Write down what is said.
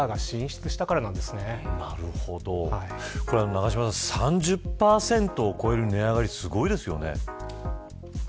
長嶋さん、３０％を超える値上がりすごいですよね。